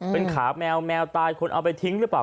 เป็นขาแมวแมวตายคนเอาไปทิ้งหรือเปล่า